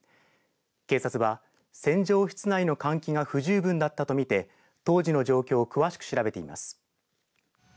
警察は洗浄室内の換気が不十分だったと見て当時の状況を詳しく調べています。